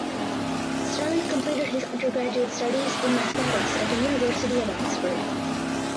Sterne completed his undergraduate studies in mathematics at the University of Oxford.